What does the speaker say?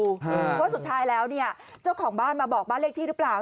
เพราะสุดท้ายแล้วเจ้าของบ้านมาบอกบ้านเล็กที่หรือเปล่า